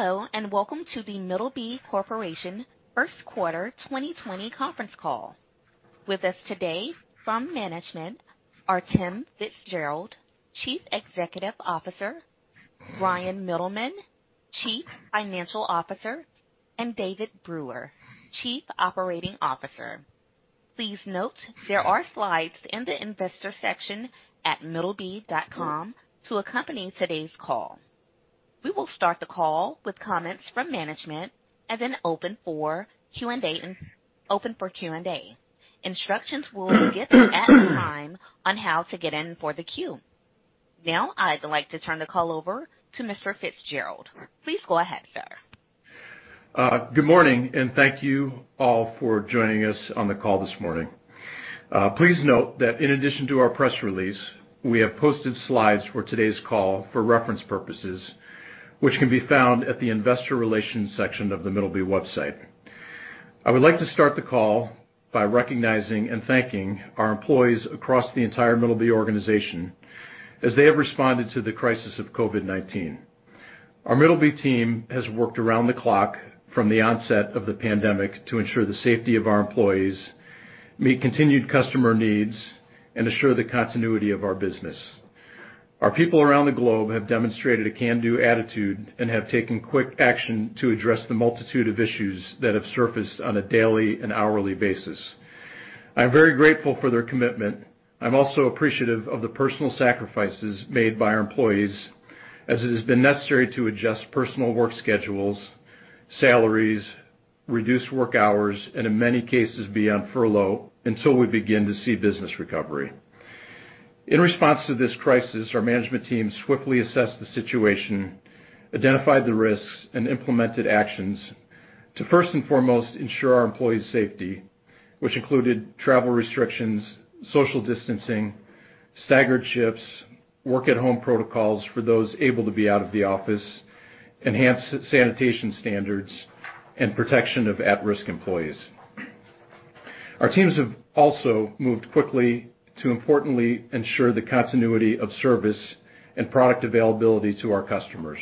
Hello, and welcome to The Middleby Corporation's first quarter 2020 conference call. With us today from management are Tim FitzGerald, Chief Executive Officer, Bryan Mittelman, Chief Financial Officer, and David Brewer, Chief Operating Officer. Please note there are slides in the investor section at middleby.com to accompany today's call. We will start the call with comments from management and then open it for Q&A. Instructions will be given at the time on how to get in for the queue. Now, I'd like to turn the call over to Mr. FitzGerald. Please go ahead, sir. Good morning. Thank you all for joining us on the call this morning. Please note that in addition to our press release, we have posted slides for today's call for reference purposes, which can be found at the investor relations section of the Middleby website. I would like to start the call by recognizing and thanking our employees across the entire Middleby organization, as they have responded to the crisis of COVID-19. Our Middleby team has worked around the clock from the onset of the pandemic to ensure the safety of our employees, meet continued customer needs, and assure the continuity of our business. Our people around the globe have demonstrated a can-do attitude and have taken quick action to address the multitude of issues that have surfaced on a daily and hourly basis. I'm very grateful for their commitment. I'm also appreciative of the personal sacrifices made by our employees, as it has been necessary to adjust personal work schedules, salaries, and work hours and, in many cases, be on furlough until we begin to see business recovery. In response to this crisis, our management team swiftly assessed the situation, identified the risks, and implemented actions to first and foremost ensure our employees' safety, which included travel restrictions, social distancing, staggered shifts, work-at-home protocols for those able to be out of the office, enhanced sanitation standards, and protection of at-risk employees. Our teams have also moved quickly to importantly ensure the continuity of service and product availability to our customers.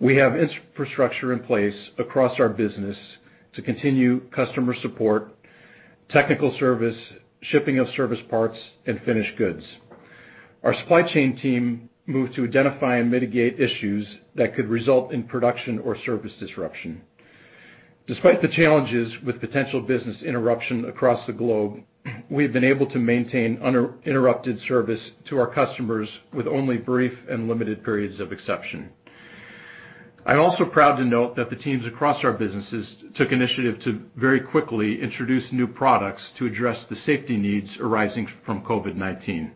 We have infrastructure in place across our business to continue customer support, technical service, shipping of service parts, and finished goods. Our supply chain team moved to identify and mitigate issues that could result in production or service disruption. Despite the challenges with potential business interruption across the globe, we have been able to maintain uninterrupted service to our customers with only brief and limited periods of exception. I'm also proud to note that the teams across our businesses took initiative to very quickly introduce new products to address the safety needs arising from COVID-19.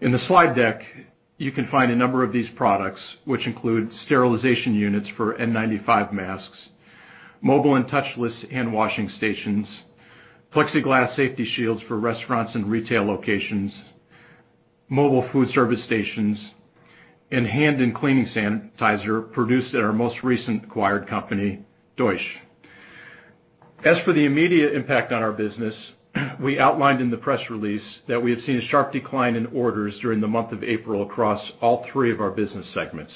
In the slide deck, you can find a number of these products, which include sterilization units for N95 masks, mobile and touchless handwashing stations, plexiglass safety shields for restaurants and retail locations, mobile food service stations, and hand and cleaning sanitizer produced at our most recently acquired company, Deutsche. As for the immediate impact on our business, we outlined in the press release that we have seen a sharp decline in orders during the month of April across all three of our business segments.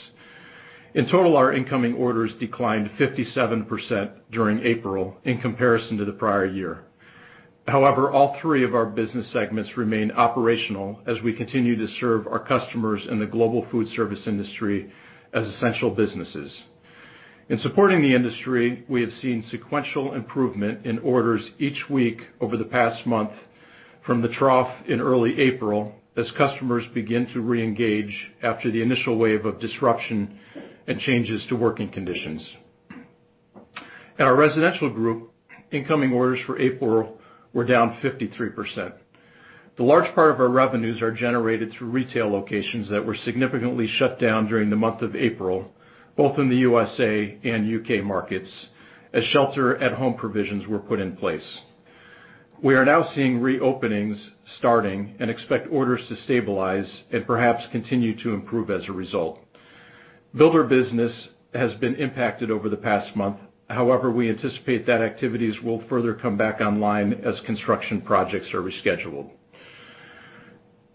In total, our incoming orders declined 57% during April in comparison to the prior year. However, all three of our business segments remain operational as we continue to serve our customers in the global foodservice industry as essential businesses. In supporting the industry, we have seen sequential improvement in orders each week over the past month from the trough in early April as customers begin to reengage after the initial wave of disruption and changes to working conditions. In our residential group, incoming orders for April were down 53%. The large part of our revenues was generated through retail locations that were significantly shut down during the month of April, both in the U.S.A. and U.K. markets as shelter-at-home provisions were put in place. We are now seeing reopenings starting and expect orders to stabilize and perhaps continue to improve as a result. Builder business has been impacted over the past month. However, we anticipate that activities will further come back online as construction projects are rescheduled.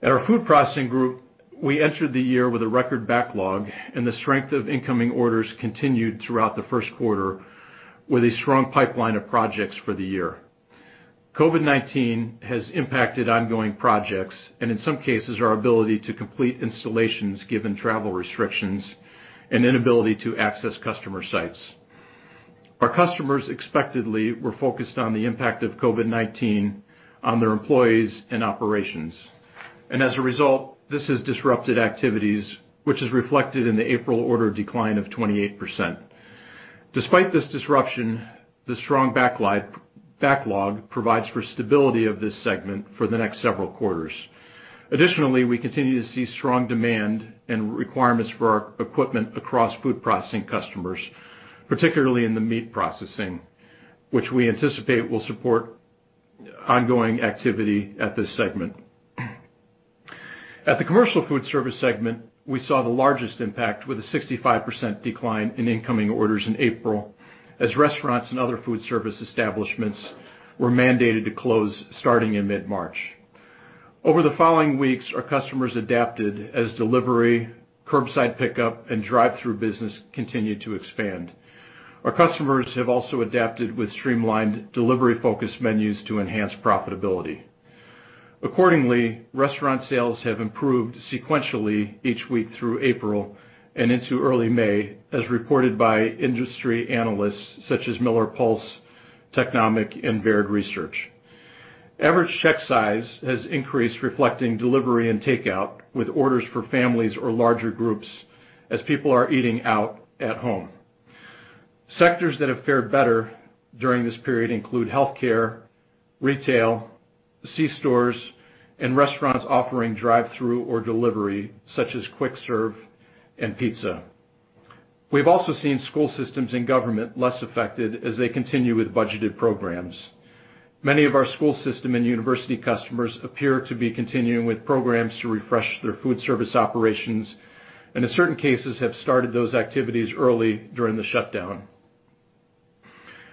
At our food processing group, we entered the year with a record backlog, and the strength of incoming orders continued throughout the first quarter, with a strong pipeline of projects for the year. COVID-19 has impacted ongoing projects and, in some cases, our ability to complete installations given travel restrictions and inability to access customer sites. Our customers expectedly were focused on the impact of COVID-19 on their employees and operations. As a result, this has disrupted activities, which is reflected in the April order decline of 28%. Despite this disruption, the strong backlog provides for the stability of this segment for the next several quarters. Additionally, we continue to see strong demand and requirements for our equipment across food processing customers, particularly in meat processing, which we anticipate will support ongoing activity at this segment. At the Commercial Foodservice segment, we saw the largest impact with a 65% decline in incoming orders in April as restaurants and other food service establishments were mandated to close starting in mid-March. Over the following weeks, our customers adapted as delivery, curbside pickup, and drive-through business continued to expand. Our customers have also adapted with streamlined delivery-focused menus to enhance profitability. Accordingly, restaurant sales have improved sequentially each week through April and into early May, as reported by industry analysts such as MillerPulse, Technomic, and Baird Research. Average check size has increased, reflecting delivery and takeout with orders for families or larger groups as people are eating out at home. Sectors that have fared better during this period include healthcare, retail, C-stores, and restaurants offering drive-through or delivery, such as quick service and pizza. We've also seen school systems and government less affected as they continue with budgeted programs. Many of our school system and university customers appear to be continuing with programs to refresh their foodservice operations and, in certain cases, have started those activities early during the shutdown.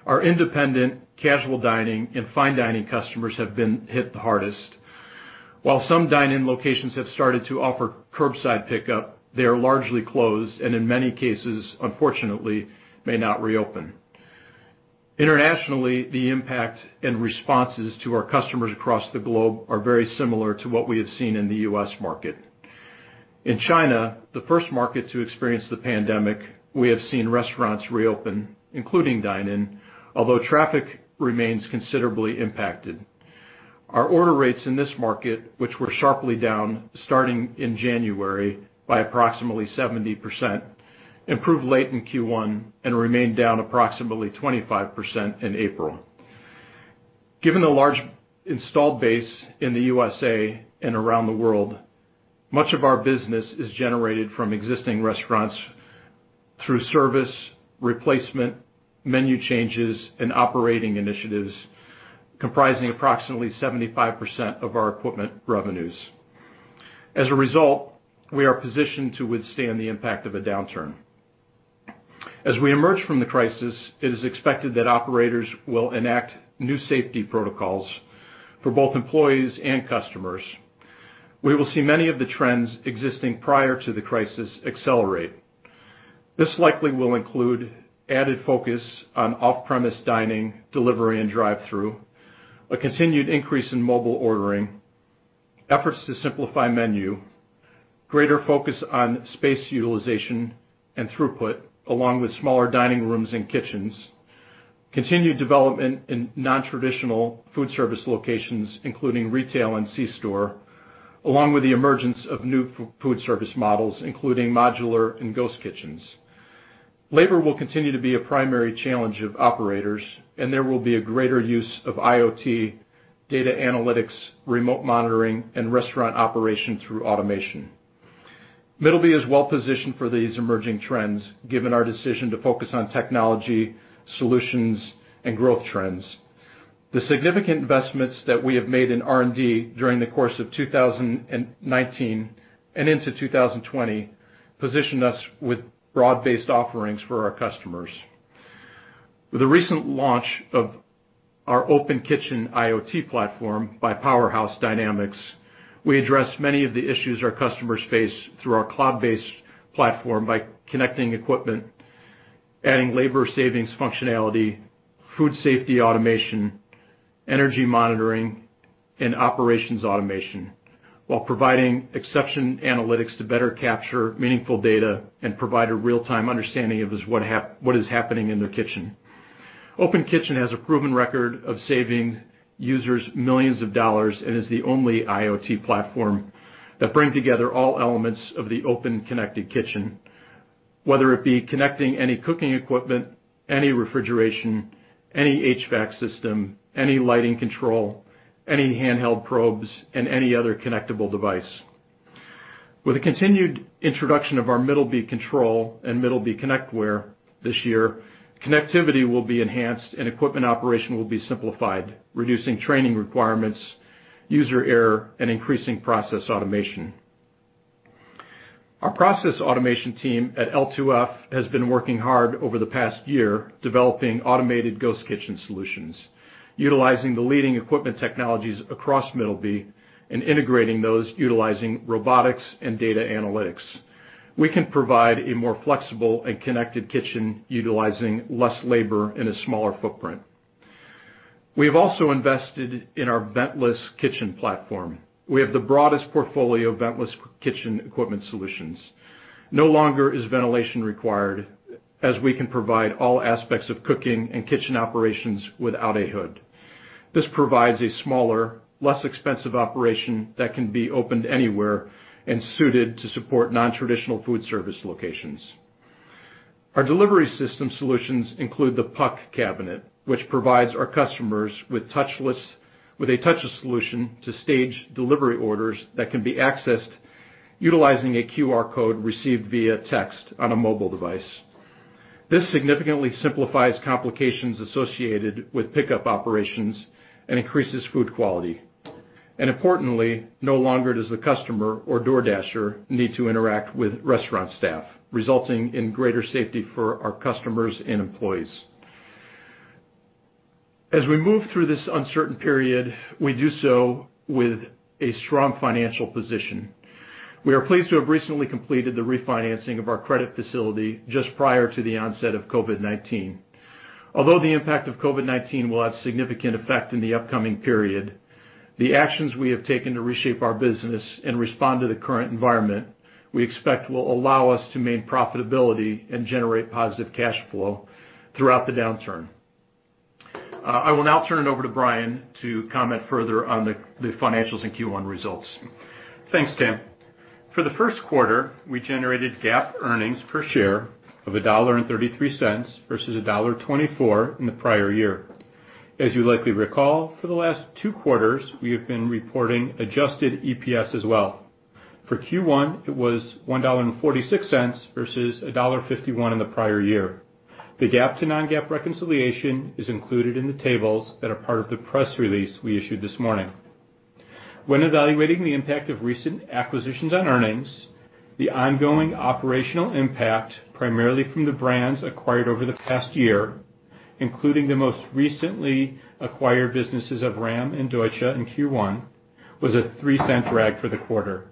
Our independent casual dining and fine dining customers have been hit the hardest. While some dine-in locations have started to offer curbside pickup, they are largely closed and, in many cases, unfortunately, may not reopen. Internationally, the impact and responses to our customers across the globe are very similar to what we have seen in the U.S. market. In China, the first market to experience the pandemic, we have seen restaurants reopen, including dine-in, although traffic remains considerably impacted. Our order rates in this market, which were sharply down starting in January by approximately 70%, improved late in Q1 and remained down approximately 25% in April. Given the large installed base in the USA and around the world, much of our business is generated from existing restaurants through service, replacement, menu changes, and operating initiatives comprising approximately 75% of our equipment revenues. As a result, we are positioned to withstand the impact of a downturn. As we emerge from the crisis, it is expected that operators will enact new safety protocols for both employees and customers. We will see many of the trends existing prior to the crisis accelerate. This likely will include added focus on off-premise dining, delivery, and drive-through; a continued increase in mobile ordering; efforts to simplify menu, greater focus on space utilization and throughput, along with smaller dining rooms and kitchens; and continued development in non-traditional food service locations, including retail and C-stores, along with the emergence of new food service models, including modular and ghost kitchens. Labor will continue to be a primary challenge of operators, and there will be a greater use of IoT, data analytics, remote monitoring, and restaurant operation through automation. Middleby is well positioned for these emerging trends given our decision to focus on technology, solutions, and growth trends. The significant investments that we have made in R&D during the course of 2019 and into 2020 position us with broad-based offerings for our customers. With the recent launch of our Open Kitchen IoT platform by Powerhouse Dynamics, we address many of the issues our customers face through our cloud-based platform by connecting equipment; adding labor-saving functionality, food safety automation, energy monitoring, and operations automation; and providing exception analytics to better capture meaningful data and provide a real-time understanding of what is happening in their kitchen. Open Kitchen has a proven record of saving users millions of dollars and is the only IoT platform that brings together all elements of the open connected kitchen, whether it be connecting any cooking equipment, any refrigeration, any HVAC system, any lighting control, any handheld probes, or any other connectable device. With the continued introduction of our Middleby Control and Middleby ConnectWare this year, connectivity will be enhanced and equipment operation will be simplified, reducing training requirements and user error and increasing process automation. Our process automation team at L2F has been working hard over the past year developing automated ghost kitchen solutions, utilizing the leading equipment technologies across Middleby and integrating those utilizing robotics and data analytics. We can provide a more flexible and connected kitchen utilizing less labor and a smaller footprint. We have also invested in our ventless kitchen platform. We have the broadest portfolio of ventless kitchen equipment solutions. No longer is ventilation required, as we can provide all aspects of cooking and kitchen operations without a hood. This provides a smaller, less expensive operation that can be opened anywhere and suited to support non-traditional food service locations. Our delivery system solutions include the PUC Cabinet, which provides our customers with a touchless solution to stage delivery orders that can be accessed utilizing a QR code received via text on a mobile device. This significantly simplifies complications associated with pickup operations and increases food quality. Importantly, no longer does the customer or DoorDasher need to interact with restaurant staff, resulting in greater safety for our customers and employees. As we move through this uncertain period, we do so with a strong financial position. We are pleased to have recently completed the refinancing of our credit facility just prior to the onset of COVID-19. Although the impact of COVID-19 will have a significant effect in the upcoming period, the actions we have taken to reshape our business and respond to the current environment we expect will allow us to maintain profitability and generate positive cash flow throughout the downturn. I will now turn it over to Bryan to comment further on the financials and Q1 results. Thanks, Tim. For the first quarter, we generated GAAP earnings per share of $1.33 versus $1.24 in the prior year. As you likely recall, for the last two quarters, we have been reporting adjusted EPS as well. For Q1, it was $1.46 versus $1.51 in the prior year. The GAAP to non-GAAP reconciliation is included in the tables that are part of the press release we issued this morning. When evaluating the impact of recent acquisitions on earnings, the ongoing operational impact, primarily from the brands acquired over the past year, including the most recently acquired businesses of RAM and Deutsche in Q1, was a $0.03 drag for the quarter.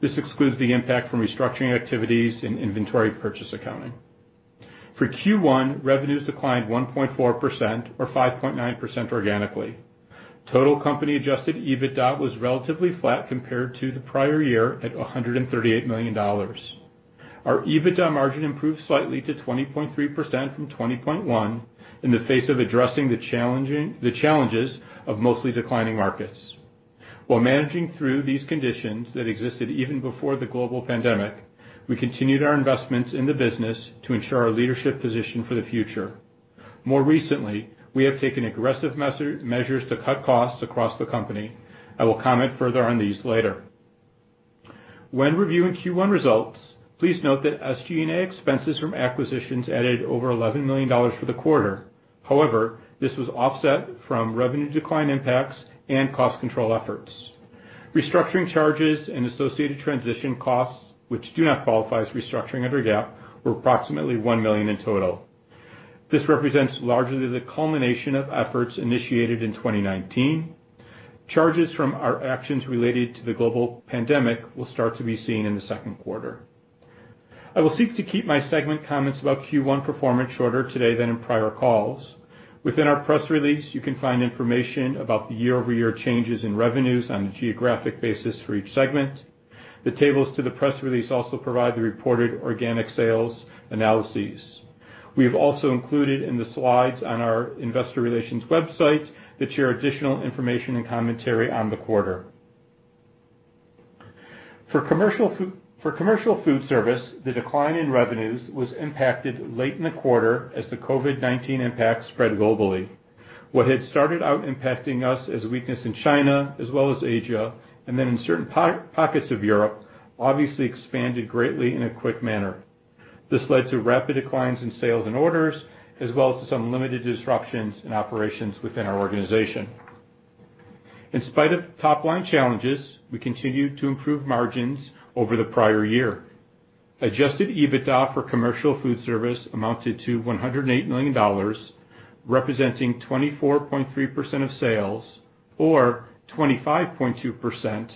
This excludes the impact from restructuring activities and inventory purchase accounting. For Q1, revenues declined 1.4%, or 5.9% organically. Total company adjusted EBITDA was relatively flat compared to the prior year at $138 million. Our EBITDA margin improved slightly to 20.3% from 20.1% in the face of addressing the challenges of mostly declining markets. While managing through these conditions that existed even before the global pandemic, we continued our investments in the business to ensure our leadership position for the future. More recently, we have taken aggressive measures to cut costs across the company. I will comment further on these later. When reviewing Q1 results, please note that SG&A expenses from acquisitions added over $11 million for the quarter. This was offset by revenue decline impacts and cost control efforts. Restructuring charges and associated transition costs, which do not qualify as restructuring under GAAP, were approximately $1 million in total. This represents largely the culmination of efforts initiated in 2019. Charges from our actions related to the global pandemic will start to be seen in the second quarter. I will seek to keep my segment comments about Q1 performance shorter today than in prior calls. Within our press release, you can find information about the year-over-year changes in revenues on a geographic basis for each segment. The tables in the press release also provide the reported organic sales analyses. We have also included in the slides on our investor relations website that share additional information and commentary on the quarter. For Commercial Foodservice, the decline in revenues was impacted late in the quarter as the COVID-19 impact spread globally. What had started out impacting us as a weakness in China as well as Asia, then in certain pockets of Europe, obviously expanded greatly in a quick manner. This led to rapid declines in sales and orders, as well as to some limited disruptions in operations within our organization. In spite of top-line challenges, we continued to improve margins over the prior year. Adjusted EBITDA for Commercial Foodservice amounted to $108 million, representing 24.3% of sales or 25.2%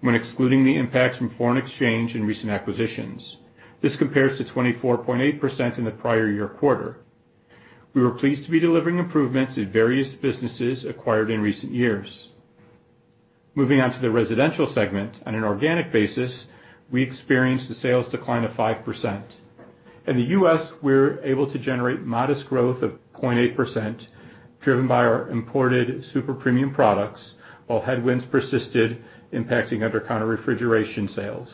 when excluding the impacts from foreign exchange and recent acquisitions. This compares to 24.8% in the prior-year quarter. We were pleased to be delivering improvements in various businesses acquired in recent years. Moving on to the Residential segment, on an organic basis, we experienced a sales decline of 5%. In the U.S., we were able to generate modest growth of 0.8%, driven by our imported super-premium products, while headwinds persisted, impacting under-counter refrigeration sales.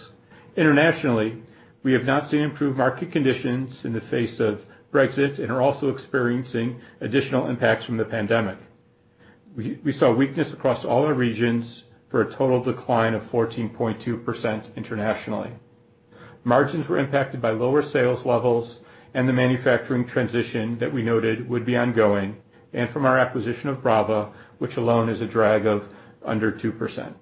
Internationally, we have not seen improved market conditions in the face of Brexit and are also experiencing additional impacts from the pandemic. We saw weakness across all our regions for a total decline of 14.2% internationally. Margins were impacted by lower sales levels and the manufacturing transition that we noted would be ongoing and from our acquisition of Brava, which alone is a drag of under 2%.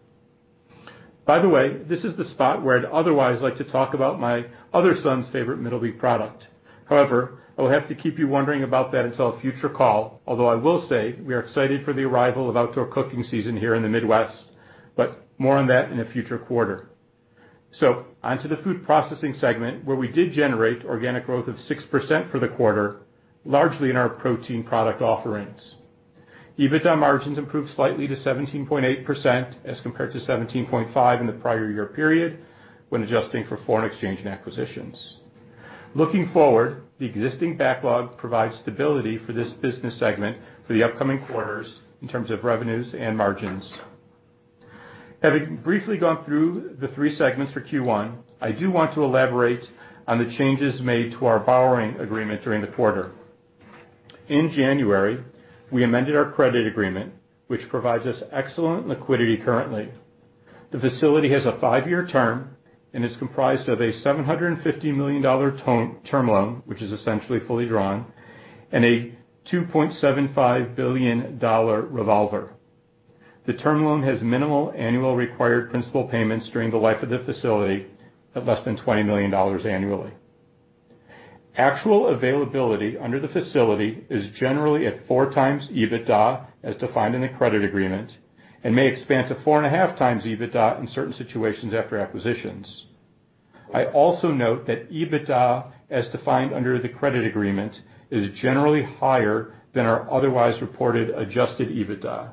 By the way, this is the spot where I'd otherwise like to talk about my other son's favorite Middleby product. I will have to keep you wondering about that until a future call. I will say we are excited for the arrival of outdoor cooking season here in the Midwest; more on that in a future quarter. On to the Food Processing Segment, where we did generate organic growth of 6% for the quarter, largely in our protein product offerings. EBITDA margins improved slightly to 17.8% as compared to 17.5% in the prior year period when adjusting for foreign exchange and acquisitions. Looking forward, the existing backlog provides stability for this business segment for the upcoming quarters in terms of revenues and margins. Having briefly gone through the three segments for Q1, I do want to elaborate on the changes made to our borrowing agreement during the quarter. In January, we amended our credit agreement, which provides us excellent liquidity currently. The facility has a five-year term and is comprised of a $750 million term loan, which is essentially fully drawn, and a $2.75 billion revolver. The term loan has minimal annual required principal payments during the life of the facility of less than $20 million annually. Actual availability under the facility is generally at four times EBITDA, as defined in the credit agreement, and may expand to 4.5x EBITDA in certain situations after acquisitions. I also note that EBITDA, as defined under the credit agreement, is generally higher than our otherwise reported adjusted EBITDA.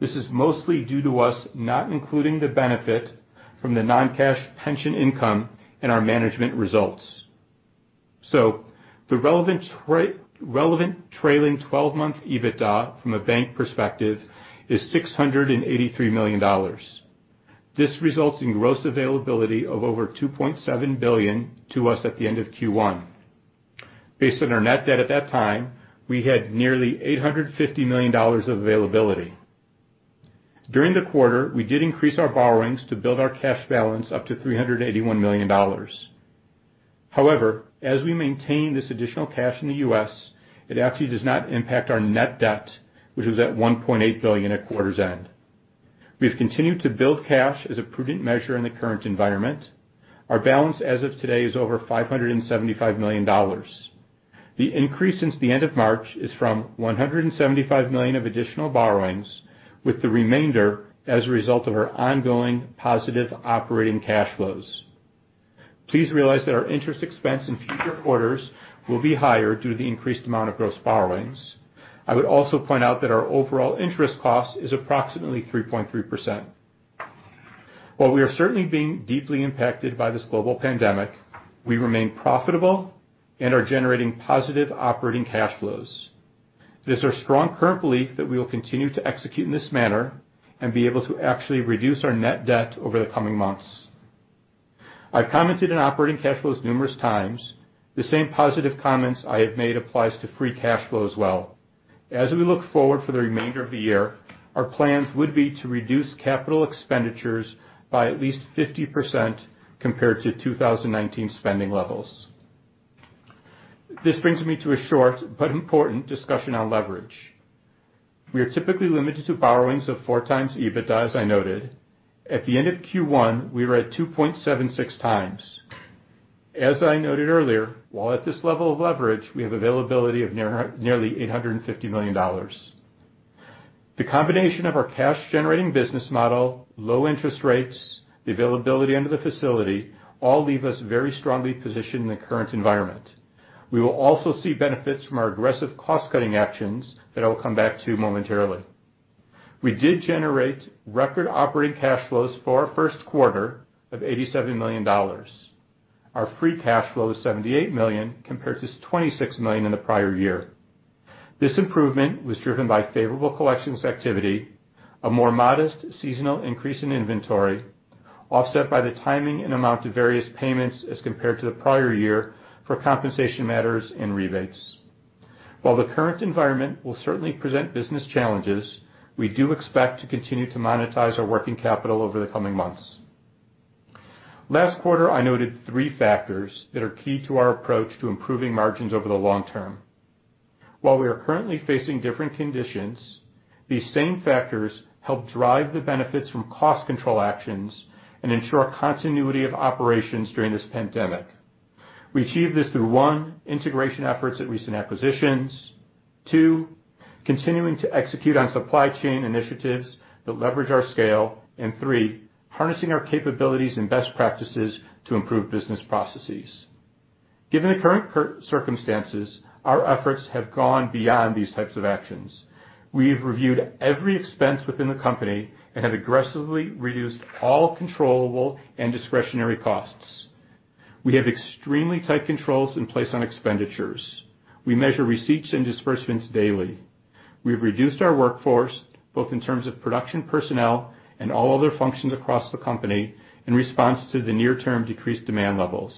This is mostly due to us not including the benefit from the non-cash pension income in our management results. The relevant trailing 12-month EBITDA from a bank perspective is $683 million. This results in gross availability of over $2.7 billion to us at the end of Q1. Based on our net debt at that time, we had nearly $850 million of availability. During the quarter, we did increase our borrowings to build our cash balance up to $381 million. However, as we maintain this additional cash in the U.S., it actually does not impact our net debt, which was at $1.8 billion at quarter's end. We've continued to build cash as a prudent measure in the current environment. Our balance as of today is over $575 million. The increase since the end of March is from $175 million of additional borrowings, with the remainder as a result of our ongoing positive operating cash flows. Please realize that our interest expense in future quarters will be higher due to the increased amount of gross borrowings. I would also point out that our overall interest cost is approximately 3.3%. While we are certainly being deeply impacted by this global pandemic, we remain profitable and are generating positive operating cash flows. It is our strong current belief that we will continue to execute in this manner and be able to actually reduce our net debt over the coming months. I've commented on operating cash flows numerous times. The same positive comments I have made apply to free cash flow as well. As we look forward to the remainder of the year, our plans would be to reduce capital expenditures by at least 50% compared to 2019 spending levels. This brings me to a short but important discussion on leverage. We are typically limited to borrowings of four times EBITDA, as I noted. At the end of Q1, we were at 2.76x. As I noted earlier, while at this level of leverage, we have availability of nearly $850 million. The combination of our cash-generating business model, low interest rates, and the availability under the facility all leave us very strongly positioned in the current environment. We will also see benefits from our aggressive cost-cutting actions that I will come back to momentarily. We did generate record operating cash flows for our first quarter of $87 million. Our free cash flow is $78 million compared to $26 million in the prior year. This improvement was driven by favorable collections activity and a more modest seasonal increase in inventory, offset by the timing and amount of various payments as compared to the prior year for compensation matters and rebates. While the current environment will certainly present business challenges, we do expect to continue to monetize our working capital over the coming months. Last quarter, I noted three factors that are key to our approach to improving margins over the long term. While we are currently facing different conditions, these same factors help drive the benefits from cost control actions and ensure continuity of operations during this pandemic. We achieve this through, one, integration efforts at recent acquisitions. Two, continuing to execute on supply chain initiatives that leverage our scale. Three, harnessing our capabilities and best practices to improve business processes. Given the current circumstances, our efforts have gone beyond these types of actions. We have reviewed every expense within the company and have aggressively reduced all controllable and discretionary costs. We have extremely tight controls in place on expenditures. We measure receipts and disbursements daily. We've reduced our workforce, both in terms of production personnel and all other functions across the company, in response to the near-term decreased demand levels.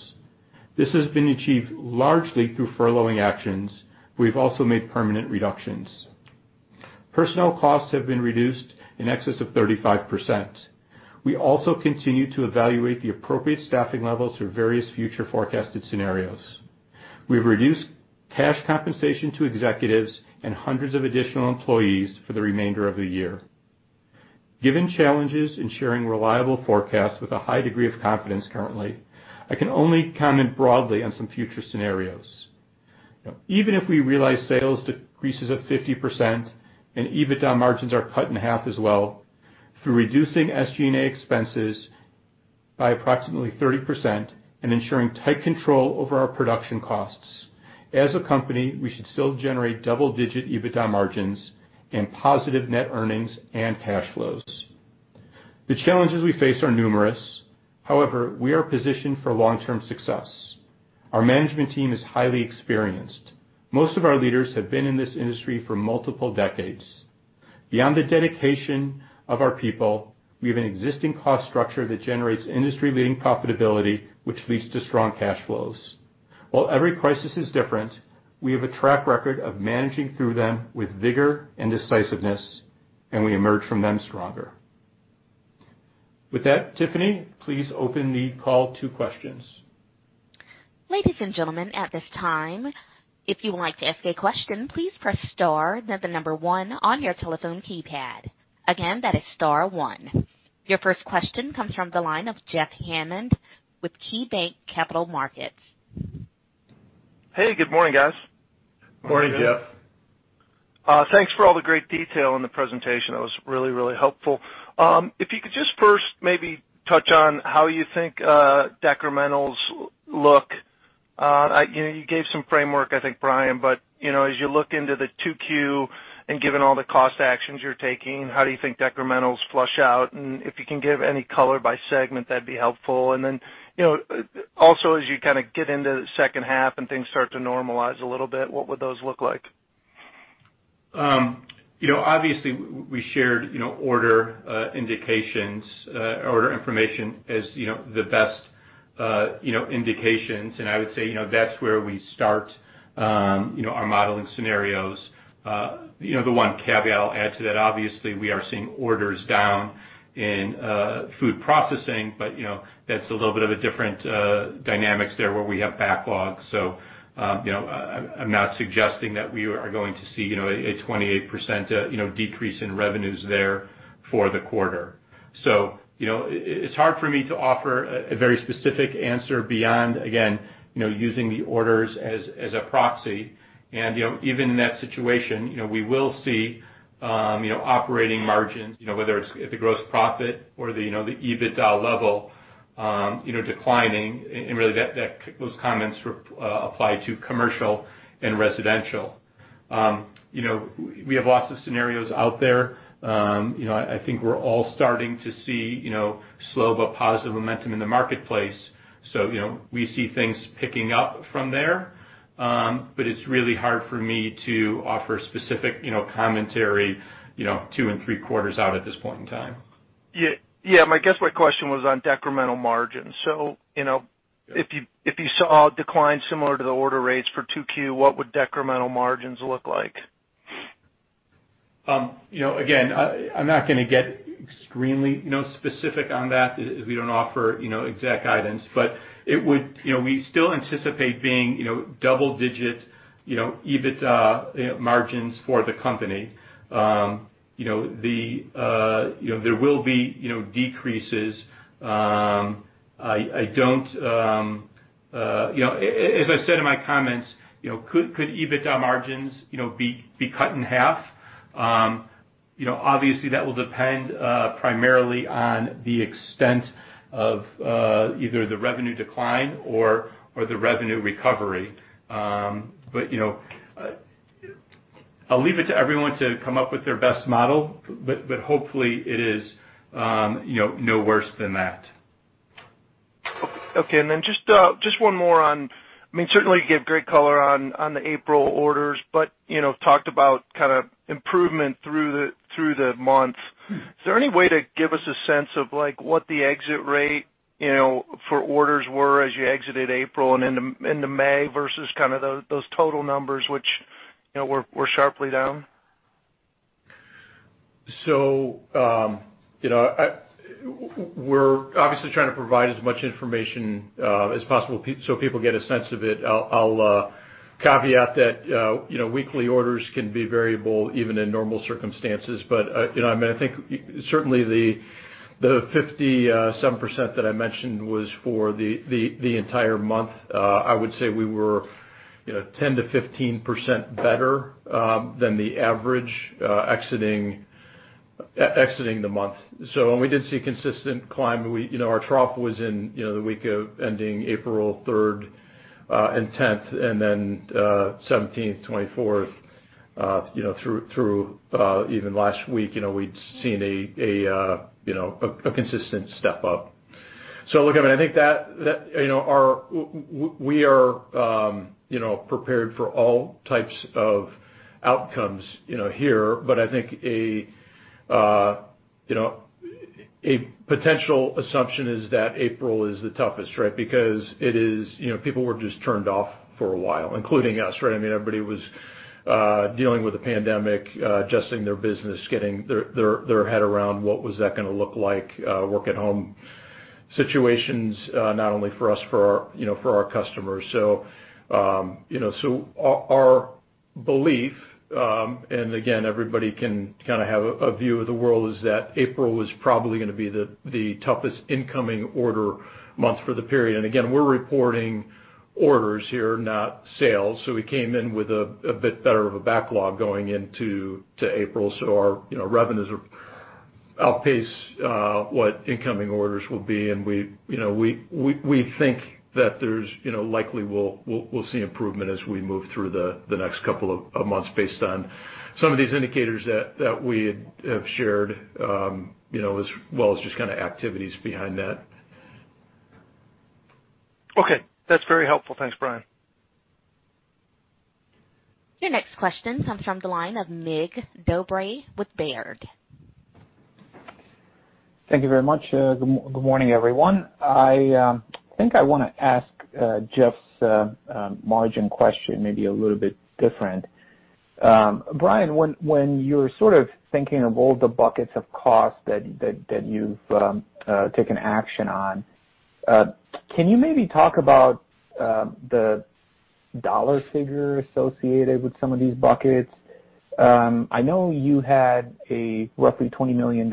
This has been achieved largely through furloughing actions, but we've also made permanent reductions. Personnel costs have been reduced in excess of 35%. We also continue to evaluate the appropriate staffing levels for various future forecasted scenarios. We've reduced cash compensation to executives and hundreds of additional employees for the remainder of the year. Given challenges in sharing reliable forecasts with a high degree of confidence currently, I can only comment broadly on some future scenarios. Even if we realize sales decreases of 50% and EBITDA margins are cut in half as well, through reducing SG&A expenses by approximately 30% and ensuring tight control over our production costs, as a company, we should still generate double-digit EBITDA margins and positive net earnings and cash flows. The challenges we face are numerous. However, we are positioned for long-term success. Our management team is highly experienced. Most of our leaders have been in this industry for multiple decades. Beyond the dedication of our people, we have an existing cost structure that generates industry-leading profitability, which leads to strong cash flows. While every crisis is different, we have a track record of managing through them with vigor and decisiveness, and we emerge from them stronger. With that, Tiffany, please open the call to questions. Ladies and gentlemen, at this time, if you would like to ask a question, please press star, then the number one on your telephone keypad. Again, that is star one. Your first question comes from the line of Jeff Hammond with KeyBanc Capital Markets. Hey, good morning, guys. Morning, Jeff. Thanks for all the great detail in the presentation. That was really helpful. If you could just first maybe touch on how you think decrements look. You gave some framework, I think, Bryan, as you look into the 2Q and given all the cost actions you're taking, how do you think decrementals flush out? If you can give any color by segment, that'd be helpful. Also, as you kind of get into the second half and things start to normalize a little bit, what would those look like? Obviously we shared order indications and order information as the best indications, and I would say that's where we start our modeling scenarios. The one caveat I'll add to that is, obviously, we are seeing orders down in food processing, but that's a little bit of a different dynamic there, where we have backlogs. I'm not suggesting that we are going to see a 28% decrease in revenues there for the quarter. It's hard for me to offer a very specific answer beyond, again, using the orders as a proxy. Even in that situation, we will see operating margins, whether it's at the gross profit or the EBITDA level, declining. Really, those comments apply to commercial and residential. We have lots of scenarios out there. I think we're all starting to see slow but positive momentum in the marketplace. We see things picking up from there. It's really hard for me to offer specific commentary two and three quarters out at this point in time. Yeah. I guess my question was on decremental margins. If you saw a decline similar to the order rates for 2Q, what would decremental margins look like? I'm not going to get extremely specific on that, as we don't offer exact guidance. We still anticipate having double-digit EBITDA margins for the company. There will be decreases. As I said in my comments, could EBITDA margins be cut in half? Obviously, that will depend primarily on the extent of either the revenue decline or the revenue recovery. I'll leave it to everyone to come up with their best model, but hopefully it is no worse than that. Okay, just one more. Certainly, you gave great color on the April orders but talked about kind of improving through the month. Is there any way to give us a sense of what the exit rate for orders were as you exited April and into May versus those total numbers, which were sharply down? We're obviously trying to provide as much information as possible so people get a sense of it. I'll caveat that weekly orders can be variable even in normal circumstances. I think certainly the 57% that I mentioned was for the entire month. I would say we were 10%-15% better than the average exiting the month. We did see a consistent climb. Our trough was in the week ending April 3rd and 10th and then 17th, 24th through even last week; we'd seen a consistent step-up. Look, I think that we are prepared for all types of outcomes here, but I think a potential assumption is that April is the toughest, right? Because people were just turned off for a while, including us, right. Everybody was dealing with the pandemic, adjusting their business, getting their head around what it was going to look like, and working at home situations, not only for us but also for our customers. Our belief, and again, everybody can kind of have a view of the world, is that April was probably going to be the toughest incoming order month for the period. Again, we're reporting orders here, not sales. We came in with a bit better of a backlog going into April. Our revenues outpace what incoming orders will be, and we think that likely we'll see improvement as we move through the next couple of months based on some of these indicators that we have shared, as well as just kind of activities behind that. Okay. That's very helpful. Thanks, Bryan. Your next question comes from the line of Mig Dobre with Baird. Thank you very much. Good morning, everyone. I think I want to ask Jeff's margin question maybe a little bit differently. Bryan, when you're thinking of all the buckets of cost that you've taken action on, can you maybe talk about the dollar figure associated with some of these buckets? I know you had a roughly $20 million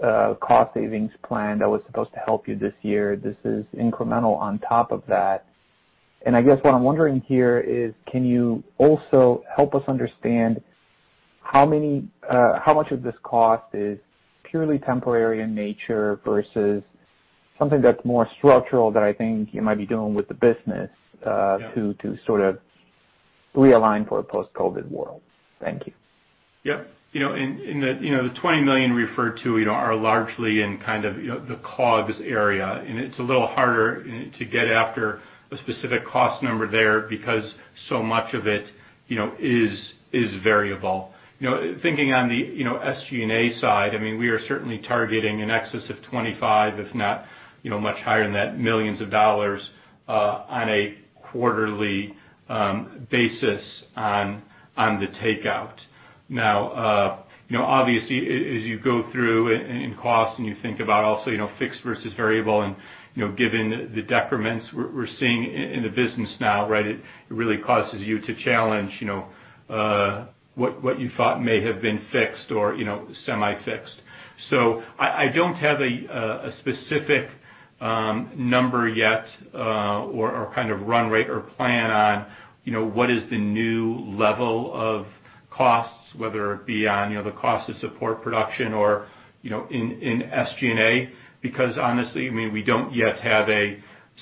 cost savings plan that was supposed to help you this year. This is incremental on top of that. I guess what I'm wondering here is, can you also help us understand how much of this cost is purely temporary in nature versus something that's more structural that I think you might be doing with the business to realign for a post-COVID world? Thank you. Yep. The $20 million we referred to is largely in the COGS area. It's a little harder to get after a specific cost number there because so much of it is variable. Thinking on the SG&A side, we are certainly targeting in excess of $25 million, if not much higher than that, on a quarterly basis on the takeaway. Obviously, as you go through in costs and you think about also fixed versus variable and, given the decrements we're seeing in the business now, it really causes you to challenge what you thought may have been fixed or semi-fixed. I don't have a specific number yet or kind of run rate or plan on what the new level of costs will be, whether it be in the cost of support production or in SG&A, because honestly, we don't yet have a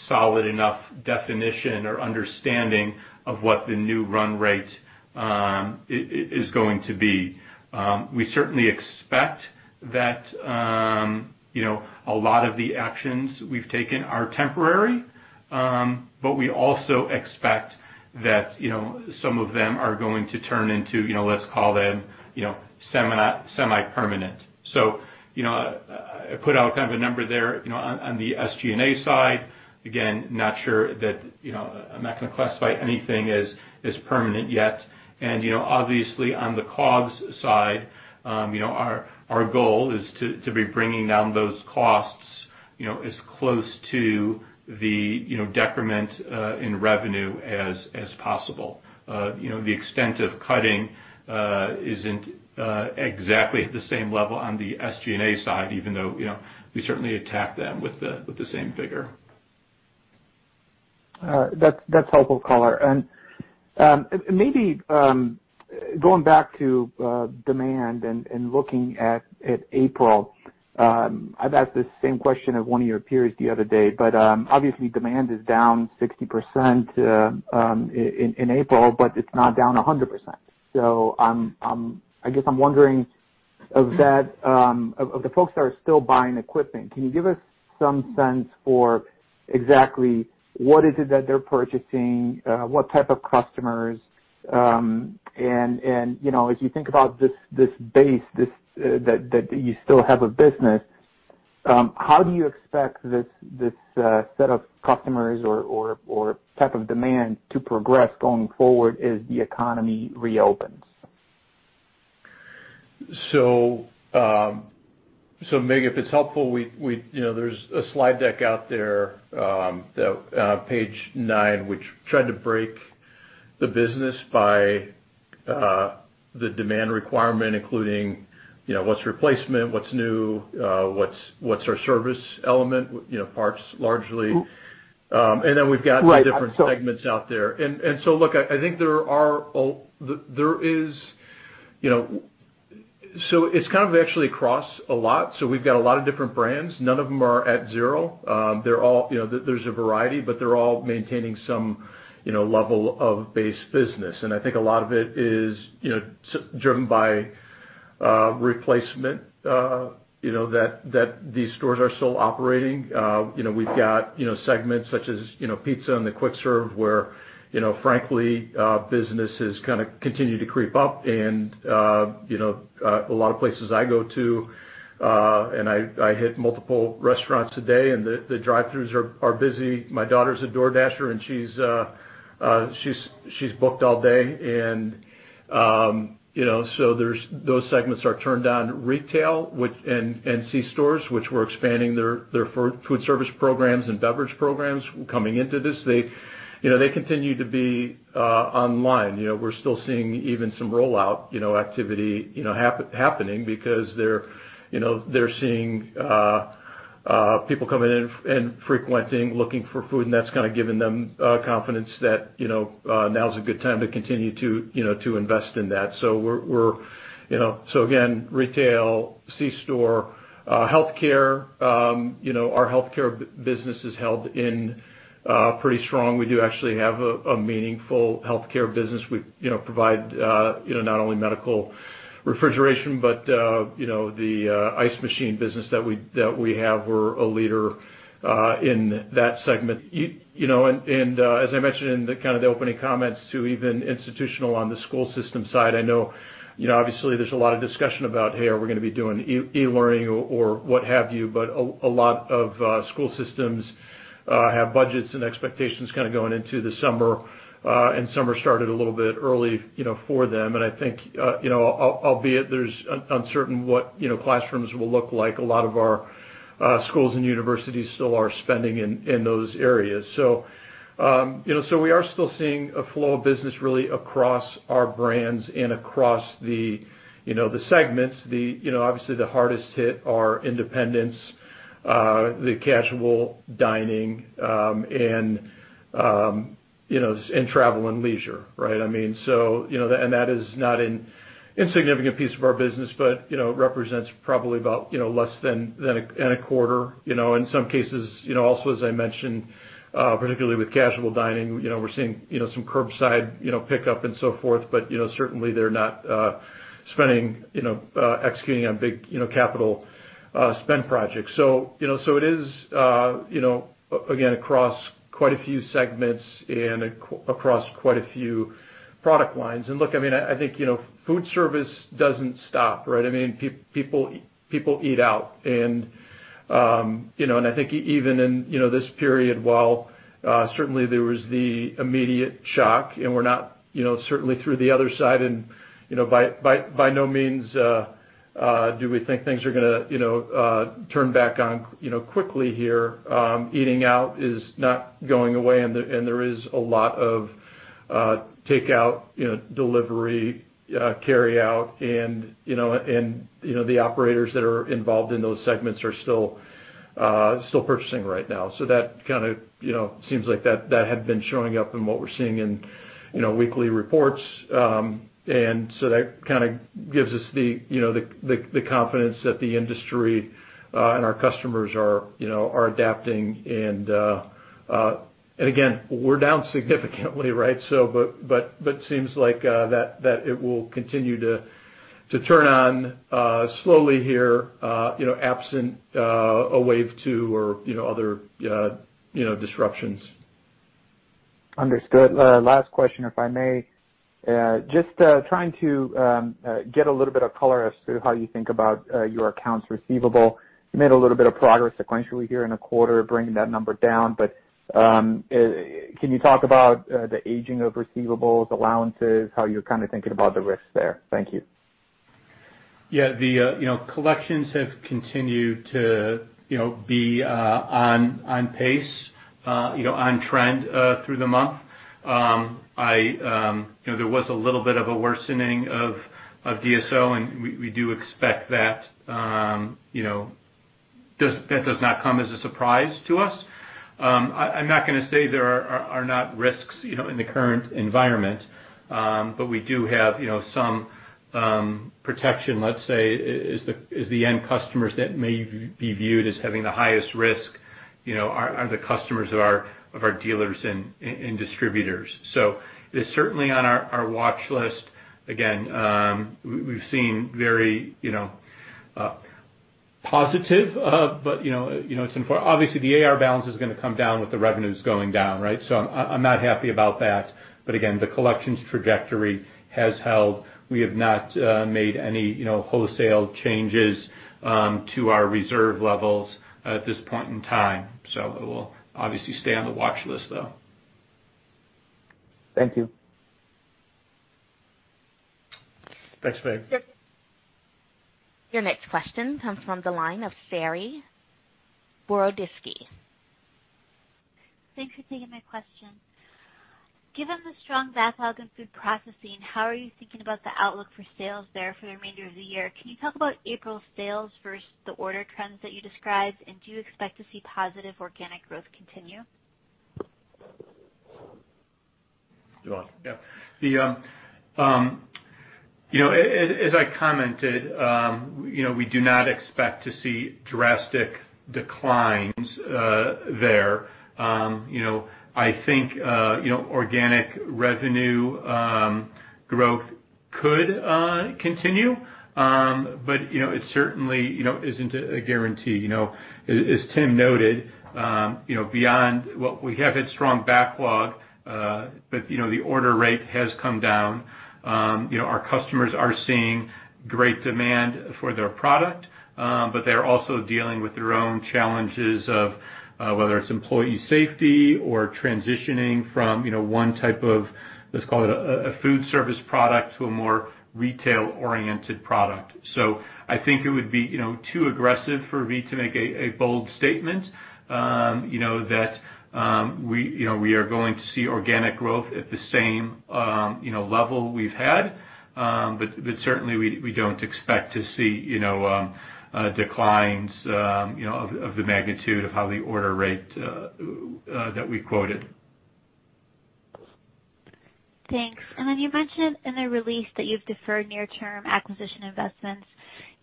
solid enough definition or understanding of what the new run rate is going to be. We certainly expect that a lot of the actions we've taken are temporary, but we also expect that some of them are going to turn into, let's call them, semi-permanent. I put out kind of a number there on the SG&A side. Again, I'm not going to classify anything as permanent yet. Obviously on the COGS side, our goal is to be bringing down those costs as close to the decrement in revenue as possible. The extent of cutting isn't exactly at the same level on the SG&A side, even though we certainly attack them with the same figure. That's helpful color. Maybe going back to demand and looking at April. I've asked this same question of one of your peers the other day, but obviously demand is down 60% in April, but it's not down 100%. I guess I'm wondering, of the folks that are still buying equipment, can you give us some sense of exactly what it is that they're purchasing, what type of customers? As you think about this base that you still have a business in, how do you expect this set of customers or type of demand to progress going forward as the economy reopens? Mig, if it's helpful, there's a slide deck out there, page nine, which tries to break down the business by the demand requirement, including what's replacement, what's new, and what our service element parts are largely. We've got. Right the different segments out there. Look, it's kind of actually across a lot. We've got a lot of different brands. None of them are at zero. There's a variety, but they're all maintaining some level of base business. I think a lot of it is driven by replacement, that these stores are still operating. We've got segments such as pizza and quick service, where, frankly, business has kind of continued to creep up, and a lot of places I go to—and I hit multiple restaurants a day—have busy drive-throughs. My daughter's a DoorDasher, and she's booked all day. Those segments are turned on retail and C-stores, which we're expanding their foodservice programs and beverage programs coming into this. They continue to be online. We're still seeing even some rollout activity happening because they're seeing people coming in and frequenting, looking for food, and that's kind of given them confidence that now's a good time to continue to invest in that. Again, retail, C-store. Healthcare. Our healthcare business has held up pretty strong. We do actually have a meaningful healthcare business. We provide not only medical refrigeration, but also the ice machine business that we have; we're a leader in that segment. As I mentioned in the opening comments even institutionally on the school system side, I know obviously there's a lot of discussion about, hey, are we going to be doing e-learning or what have you, but a lot of school systems have budgets and expectations kind of going into the summer, and summer started a little bit early for them. I think, albeit uncertainly, what classrooms will look like, a lot of our schools and universities are still spending in those areas. We are still seeing a flow of business really across our brands and across the segments. Obviously, the hardest hit are independents. The casual dining and travel and leisure, right? That is not an insignificant piece of our business but represents probably about less than a quarter. In some cases, also as I mentioned, particularly with casual dining, we're seeing some curbside pickup and so forth, but certainly they're not executing on big capital spend projects. It is, again, across quite a few segments and across quite a few product lines. Look, I think foodservice doesn't stop, right? People eat out, and I think even in this period, while certainly there was the immediate shock, and we're not certainly through the other side, and by no means do we think things are going to turn back on quickly here. Eating out is not going away, and there is a lot of takeout, delivery, carryout, and the operators that are involved in those segments are still purchasing right now. That kind of seems like that had been showing up in what we're seeing in weekly reports. That kind of gives us the confidence that the industry and our customers are adapting. Again, we're down significantly, right? Seems like that it will continue to turn on slowly here, absent a wave two or other disruptions. Understood. Last question, if I may. Just trying to get a little bit of color as to how you think about your accounts receivable. You made a little bit of progress sequentially here in the quarter, bringing that number down. Can you talk about the aging of receivables, allowances, how you're kind of thinking about the risks there? Thank you. Yeah. The collections have continued to be on pace and on trend through the month. There was a little bit of a worsening of DSO, and we do expect that. That does not come as a surprise to us. I'm not going to say there are not risks in the current environment. We do have some protection; let's say the end customers that may be viewed as having the highest risk are the customers of our dealers and distributors. It's certainly on our watch list. Again, we've seen very positive, but obviously the AR balance is going to come down with the revenues going down, right? I'm not happy about that. Again, the collections trajectory has held. We have not made any wholesale changes to our reserve levels at this point in time. It will obviously stay on the watch list, though. Thank you. Thanks, Mig. Your next question comes from the line of Saree Boroditsky. Thanks for taking my question. Given the strong backlog in food processing, how are you thinking about the outlook for sales there for the remainder of the year? Can you talk about April sales versus the order trends that you described, and do you expect to see positive organic growth continue? Go on. Yeah. As I commented, we do not expect to see drastic declines there. I think organic revenue growth could continue, it certainly isn't a guarantee. As Tim noted, beyond what we have had as a strong backlog, the order rate has come down. Our customers are seeing great demand for their product. They're also dealing with their own challenges, whether it's employee safety or transitioning from Type 1 of, let's call it, a foodservice product to a more retail-oriented product. I think it would be too aggressive for me to make a bold statement that we are going to see organic growth at the same level we've had. Certainly, we don't expect to see declines of the magnitude of the order rate that we quoted. Thanks. You mentioned in the release that you've deferred near-term acquisition investments.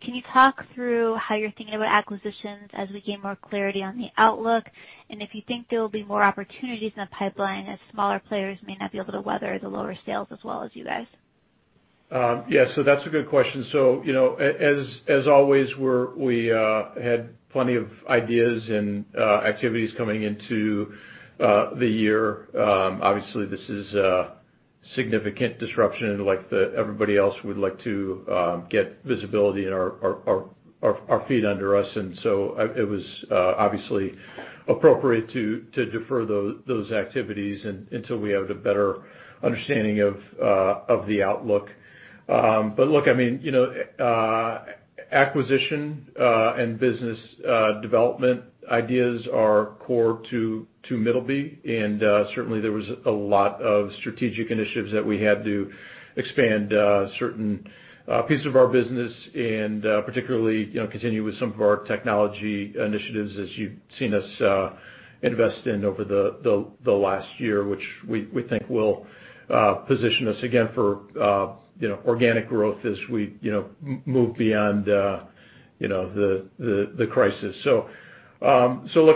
Can you talk through how you're thinking about acquisitions as we gain more clarity on the outlook? If you think there will be more opportunities in the pipeline, as smaller players may not be able to weather the lower sales as well as you guys. Yeah. That's a good question. As always, we had plenty of ideas and activities coming into the year. Obviously, this is a significant disruption. Like everybody else, we'd like to get visibility and our feet under us. It was obviously appropriate to defer those activities until we have a better understanding of the outlook. Look, acquisition and business development ideas are core to Middleby, and certainly there was a lot of strategic initiatives that we had to expand certain pieces of our business and particularly continue with some of our technology initiatives as you've seen us invest in over the last year, which we think will position us again for organic growth as we move beyond the crisis. Look,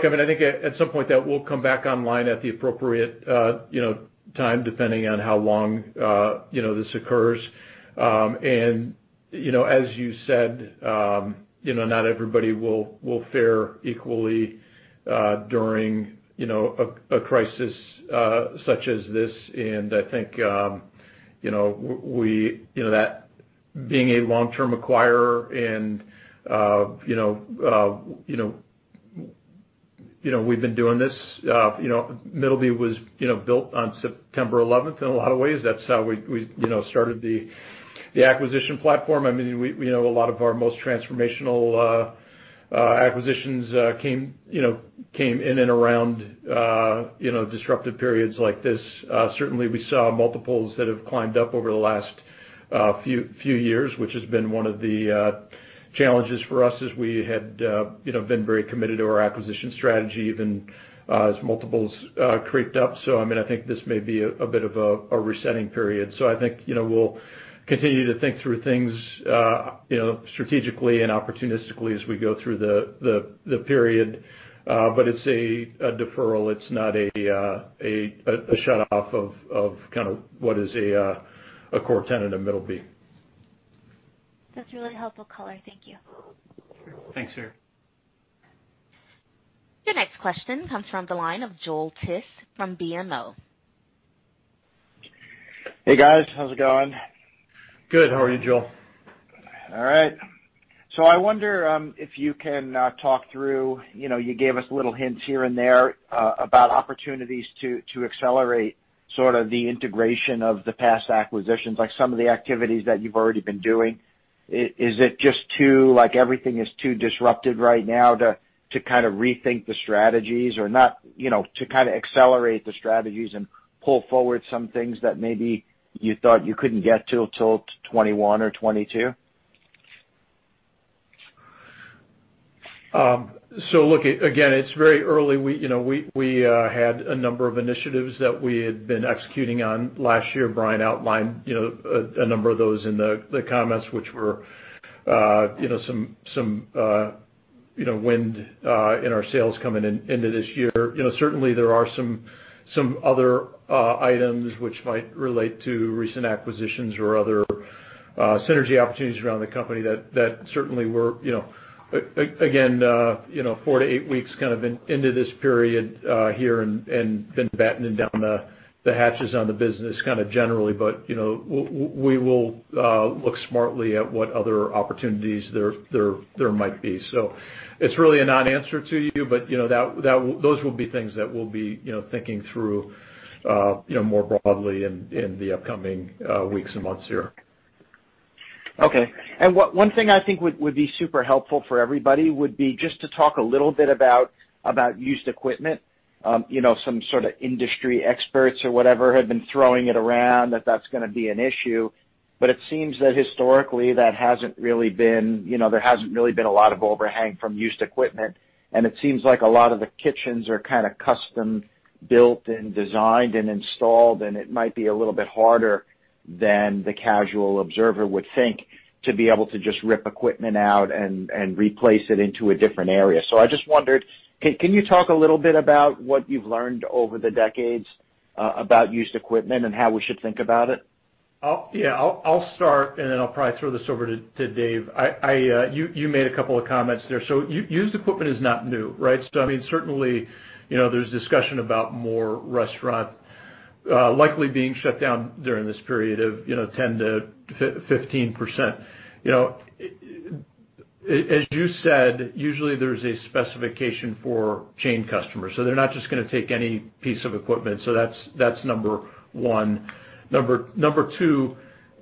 I think at some point that will come back online at the appropriate time, depending on how long this occurs. As you said, not everybody will fare equally during a crisis such as this. I think that being a long-term acquirer, and we've been doing this. Middleby was built on September 11th in a lot of ways. That's how we started the acquisition platform. A lot of our most transformational acquisitions came in and around disruptive periods like this. Certainly, we saw multiples that have climbed up over the last few years, which has been one of the challenges for us as we had been very committed to our acquisition strategy even as multiples crept up. I think this may be a bit of a resetting period. I think we'll continue to think through things strategically and opportunistically as we go through the period. It's a deferral. It's not a shutoff of what is a core tenet of Middleby. That's a really helpful color. Thank you. Sure. Thanks, Saree. Your next question comes from the line of Joel Tiss from BMO. Hey, guys. How's it going? Good. How are you, Joel? All right. I wonder if you can talk through the little hints you gave us here and there about opportunities to accelerate, sort of, the integration of the past acquisitions, like some of the activities that you've already been doing. Is it just that everything is too disrupted right now to kind of rethink the strategies or not to kind of accelerate the strategies and pull forward some things that maybe you thought you couldn't get to till 2021 or 2022? Look, again, it's very early. We had a number of initiatives that we had been executing on last year. Bryan outlined a number of those in the comments, which were some wind in our sails coming into this year. Certainly, there are some other items that might relate to recent acquisitions or other synergy opportunities around the company that certainly were, again, four-eight weeks into this period here and have been battening down the hatches on the business kind of generally. We will look smartly at what other opportunities there might be. It's really a non-answer to you, but those will be things that we'll be thinking through more broadly in the upcoming weeks and months here. Okay. One thing I think would be super helpful for everybody would be just to talk a little bit about used equipment. Some sort of industry experts or whatever have been throwing it around that that's going to be an issue. It seems that historically there hasn't really been a lot of overhang from used equipment, and it seems like a lot of the kitchens are kind of custom built and designed and installed, and it might be a little bit harder than the casual observer would think to be able to just rip equipment out and replace it into a different area. I just wondered, can you talk a little bit about what you've learned over the decades about used equipment and how we should think about it? Yeah. I'll start, and then I'll probably throw this over to Dave. You made a couple of comments there. Used equipment is not new, right? Certainly, there's discussion about more restaurants likely being shut down during this period of 10%-15%. As you said, usually there's a specification for chain customers, so they're not just going to take any piece of equipment. That's number one. Number two,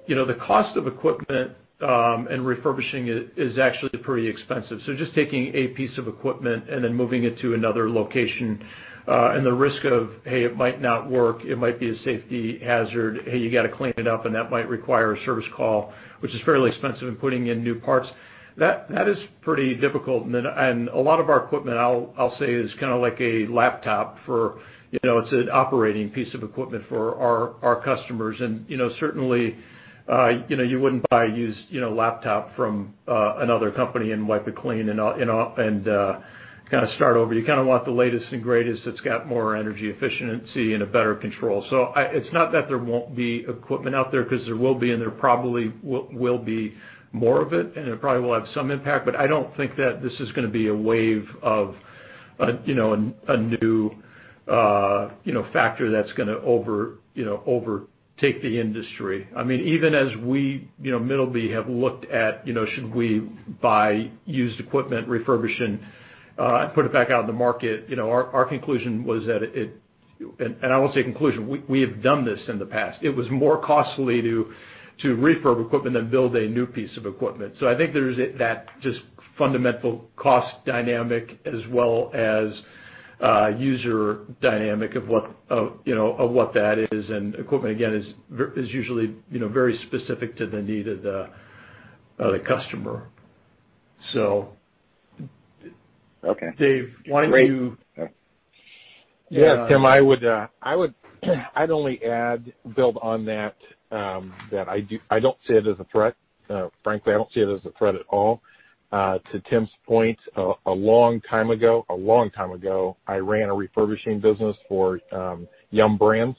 the cost of equipment and refurbishing it is actually pretty expensive. Just taking a piece of equipment and then moving it to another location, and the risk of, hey, it might not work; it might be a safety hazard; hey, you got to clean it up, and that might require a service call, which is fairly expensive in putting in new parts. That is pretty difficult. A lot of our equipment, I'll say, is kind of like a laptop. It's an operating piece of equipment for our customers. Certainly, you wouldn't buy a used laptop from another company and wipe it clean and kind of start over. You kind of want the latest and greatest that's got more energy efficiency and better control. It's not that there won't be equipment out there, because there will be, and there probably will be more of it, and it probably will have some impact. I don't think that this is going to be a wave of a new factor that's going to overtake the industry. Even as we, Middleby, have looked at whether we should buy used equipment, refurbish it, and put it back out in the market, our conclusion was that it—and I won't say conclusion. We have done this in the past. It was more costly to refurbish equipment than build a new piece of equipment. I think there's that just fundamental cost dynamic as well as user dynamic of what that is. Equipment, again, is usually very specific to the need of the customer. Okay Dave. Great. Yeah, Tim, I'd only add, building on that, I don't see it as a threat. Frankly, I don't see it as a threat at all. To Tim's point, a long time ago, I ran a refurbishing business for Yum! Brands,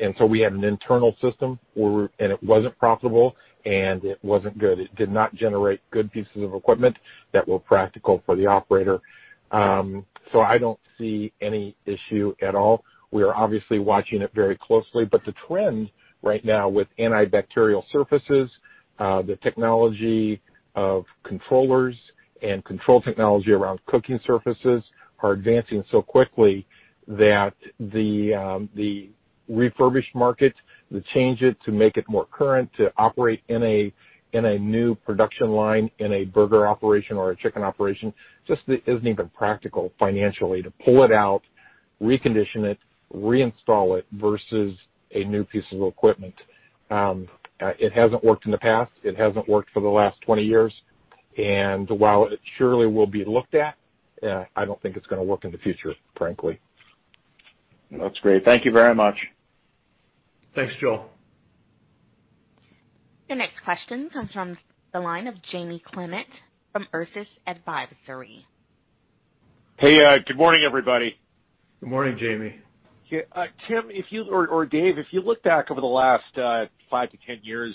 and so we had an internal system, and it wasn't profitable, and it wasn't good. It did not generate good pieces of equipment that were practical for the operator. I don't see any issue at all. We are obviously watching it very closely. The trends right now with antibacterial surfaces, the technology of controllers, and control technology around cooking surfaces are advancing so quickly that the refurbished market, to change it, to make it more current, and to operate in a new production line in a burger operation or a chicken operation, just isn't even practical financially to pull it out, recondition it, and reinstall it versus a new piece of equipment. It hasn't worked in the past. It hasn't worked for the last 20 years. While it surely will be looked at, I don't think it's going to work in the future, frankly. That's great. Thank you very much. Thanks, Joel. The next question comes from the line of Jamie Clement from Ursus Advisory. Hey, good morning, everybody. Good morning, Jamie. Tim or Dave, if you look back over the last 5-10 years,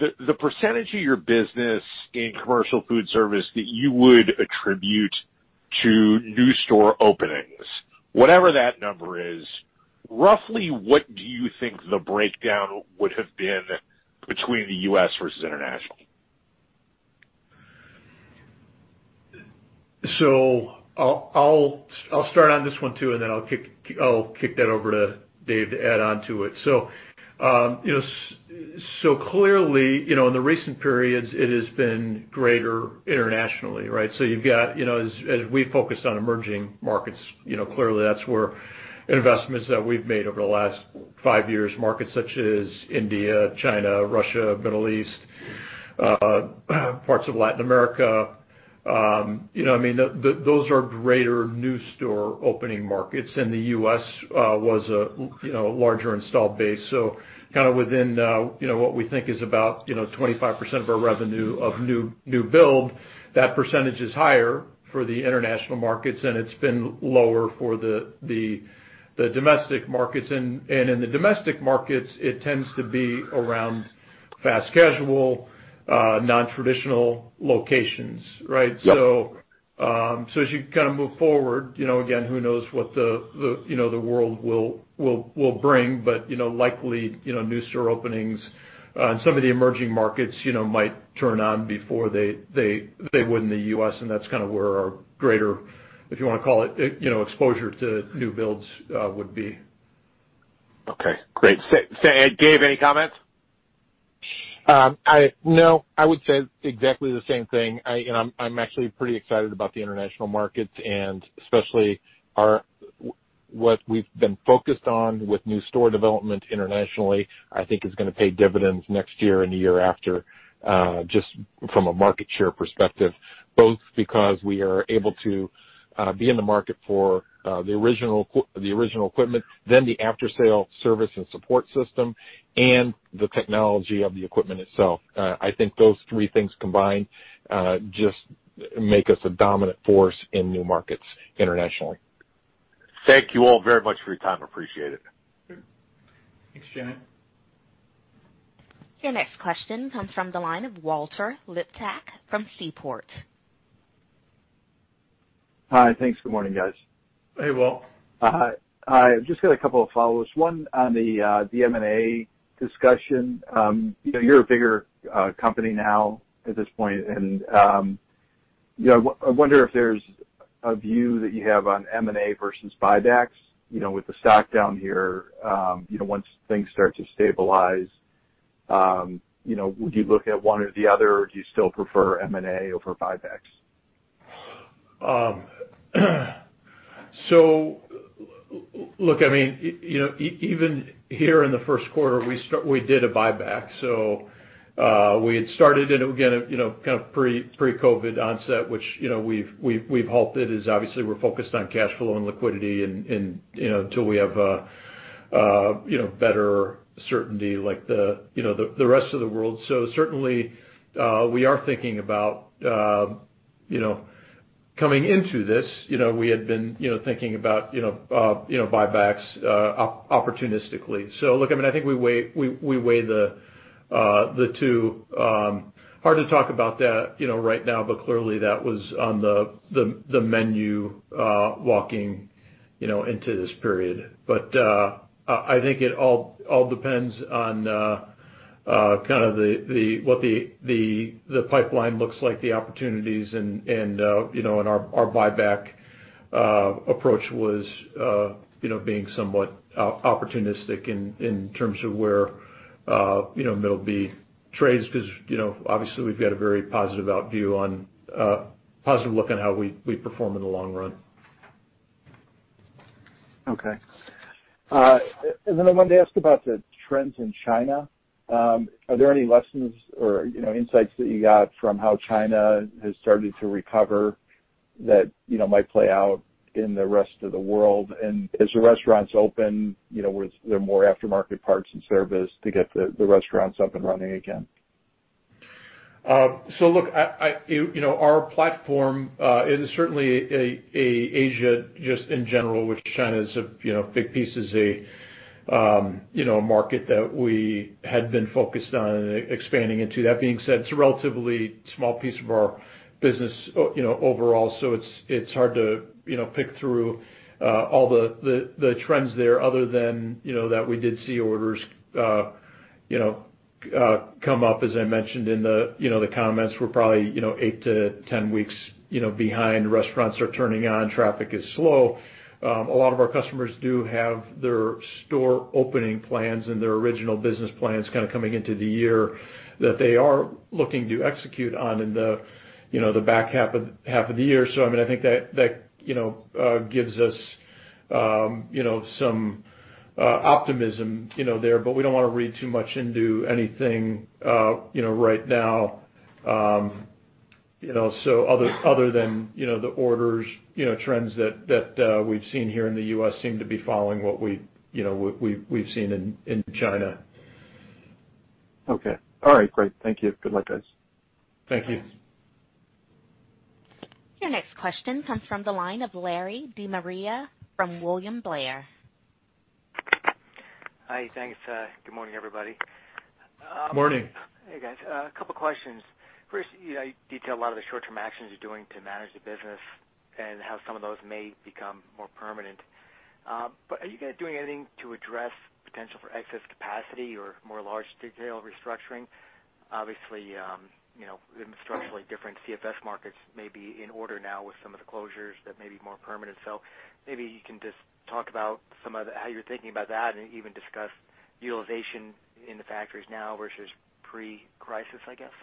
the percentage of your business in Commercial Foodservice that you would attribute to new store openings, whatever that number is, roughly what do you think the breakdown would have been between the U.S. versus international? I'll start on this one, too, and then I'll kick that over to Dave to add onto it. Clearly, in the recent periods, it has been greater internationally, right? As we focus on emerging markets, clearly that's where investments that we've made over the last five years, markets such as India, China, Russia, Middle East, and parts of Latin America are greater new store opening markets. The U.S. was a larger install base. Within what we think is about 25% of our revenue from new builds, that percentage is higher for the international markets, and it's been lower for the domestic markets. In the domestic markets, it tends to be around fast casual, nontraditional locations, right? Yep. As you move forward, again, who knows what the world will bring, but likely, new store openings in some of the emerging markets might turn on before they would in the U.S., and that's where our greater, if you want to call it, exposure to new builds would be. Okay, great. Dave, any comments? No. I would say exactly the same thing. I'm actually pretty excited about the international markets, and especially what we've been focused on with new store development internationally, which I think is going to pay dividends next year and the year after, just from a market share perspective, both because we are able to be in the market for the original equipment and then the after-sale service and support system and the technology of the equipment itself. I think those three things combined just make us a dominant force in new markets internationally. Thank you all very much for your time. Appreciate it. Sure. Thanks, Jamie. Your next question comes from the line of Walter Liptak from Seaport. Hi. Thanks. Good morning, guys. Hey, Walt. I've just got a couple of follows. One on the M&A discussion. You're a bigger company now at this point, and I wonder if there's a view that you have on M&A versus buybacks. With the stock down here, once things start to stabilize, would you look at one or the other, or do you still prefer M&A over buybacks? Look, even here in the first quarter, we did a buyback. We had started it, again, pre-COVID onset, which we've halted, as obviously we're focused on cash flow and liquidity until we have better certainty, like the rest of the world. Certainly, we are thinking about coming into this. We had been thinking about buybacks opportunistically. Look, I think we weigh the two. Hard to talk about that right now, but clearly, that was on the menu walking into this period. I think it all depends on what the pipeline looks like, the opportunities, and our buyback approach was being somewhat opportunistic in terms of where there'll be trades, because obviously, we've got a very positive outlook on how we perform in the long run. Okay. I wanted to ask about the trends in China. Are there any lessons or insights that you got from how China has started to recover that might play out in the rest of the world? As the restaurants opened, were there more aftermarket parts and services to get the restaurants up and running again? Look, our platform is certainly Asia, just in general, of which China is a big piece, is a market that we have been focused on and expanding into. That being said, it's a relatively small piece of our business overall. It's hard to pick through all the trends; other than that, we did see orders come up, as I mentioned in the comments. We're probably 8-10 weeks behind. Restaurants are turning on. Traffic is slow. A lot of our customers do have their store opening plans and their original business plans kind of coming into the year that they are looking to execute on in the back half of the year. I think that gives us some optimism there, but we don't want to read too much into anything right now. Other than the orders, trends that we've seen here in the U.S. seem to be following what we've seen in China. Okay. All right. Great. Thank you. Good luck, guys. Thank you. Your next question comes from the line of Larry De Maria from William Blair. Hi, thanks. Good morning, everybody. Morning. Hey, guys. A couple questions. First, you detail a lot of the short-term actions you're doing to manage the business and how some of those may become more permanent. Are you guys doing anything to address the potential for excess capacity or more large-scale restructuring? Obviously, structurally different CFS markets may be in order now with some of the closures that may be more permanent. Maybe you can just talk about how you're thinking about that and even discuss utilization in the factories now versus pre-crisis, I guess.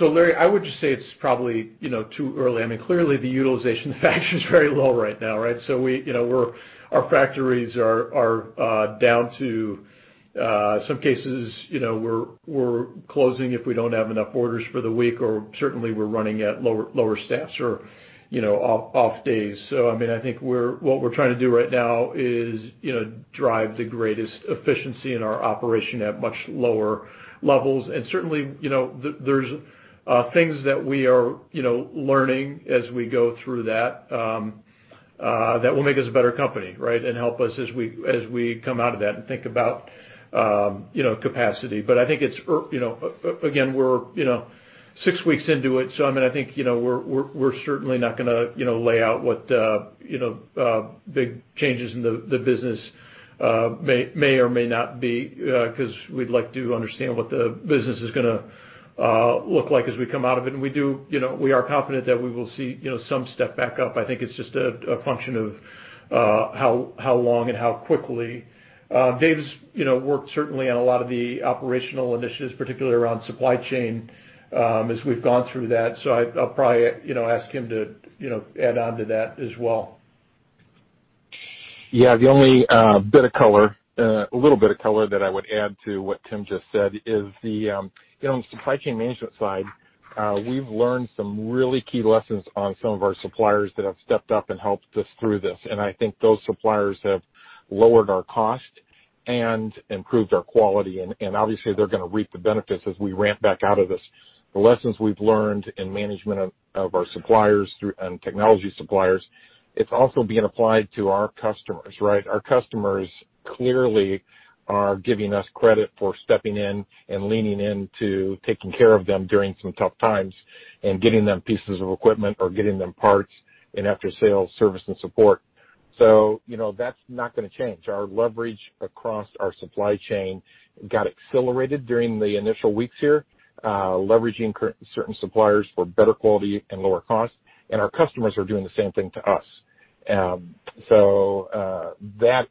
Larry, I would just say it's probably too early. Clearly, the utilization in the factory is very low right now. Our factories are down to, some cases, we're closing if we don't have enough orders for the week, or certainly we're running at lower staffs or off days. I think what we're trying to do right now is drive the greatest efficiency in our operation at much lower levels. Certainly, there are things that we are learning as we go through that will make us a better company and help us as we come out of that and think about capacity. I think again, we're six weeks into it, so I think we're certainly not going to lay out what big changes in the business may or may not be, because we'd like to understand what the business is going to look like as we come out of it. We are confident that we will see some step back up. I think it's just a function of how long and how quickly. Dave's certainly worked on a lot of the operational initiatives, particularly around supply chain, as we've gone through that, so I'll probably ask him to add on to that as well. Yeah, the only bit of color, a little bit of color, that I would add to what Tim just said is on the supply chain management side, we've learned some really key lessons on some of our suppliers that have stepped up and helped us through this. I think those suppliers have lowered our cost and improved our quality. Obviously, they're going to reap the benefits as we ramp back out of this. The lessons we've learned in the management of our suppliers and technology suppliers are also being applied to our customers. Our customers clearly are giving us credit for stepping in and leaning into taking care of them during some tough times and getting them pieces of equipment or getting them parts and after-sale service and support. That's not going to change. Our leverage across our supply chain got accelerated during the initial weeks here, leveraging certain suppliers for better quality and lower cost, and our customers are doing the same thing to us. That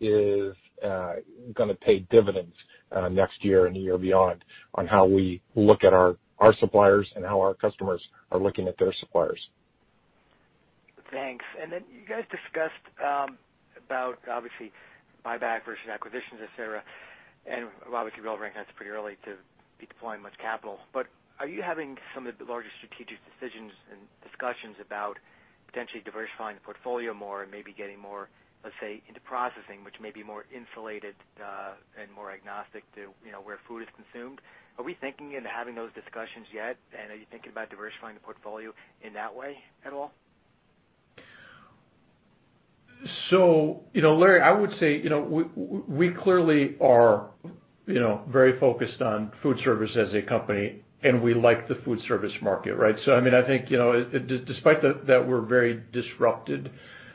is going to pay dividends next year and the year beyond on how we look at our suppliers and how our customers are looking at their suppliers. Thanks. You guys discussed, obviously, buybacks versus acquisitions, et cetera, and obviously you all recognize it's pretty early to be deploying much capital. Are you having some of the larger strategic decisions and discussions about potentially diversifying the portfolio more and maybe getting more, let's say, into processing, which may be more insulated and more agnostic to where food is consumed? Are we thinking and having those discussions yet? Are you thinking about diversifying the portfolio in that way at all? Larry, I would say, we clearly are very focused on food service as a company, and we like the food service market. I think despite that we're very disrupted